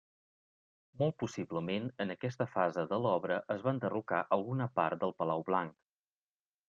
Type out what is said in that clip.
Molt possiblement en aquesta fase de l'obra es va enderrocar alguna part del Palau Blanc.